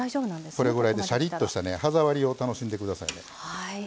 これぐらいでしゃりっとした歯触りを楽しんでくださいね。